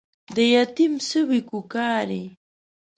د يتيم سوې کوکارې